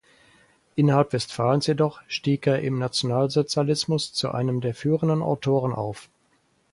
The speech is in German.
Innerhalb Westfalens jedoch stieg er im Nationalsozialismus „zu einem der führenden Autoren“ auf.